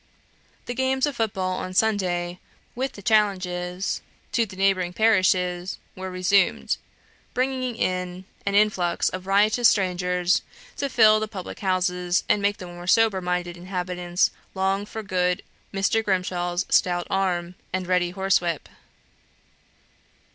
The games of foot ball on Sundays, with the challenges to the neighbouring parishes, were resumed, bringing in an influx of riotous strangers to fill the public houses, and make the more sober minded inhabitants long for good Mr. Grimshaw's stout arm, and ready horsewhip.